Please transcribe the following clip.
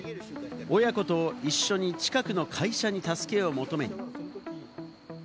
親子と一緒に近くの会社に助けを求めに。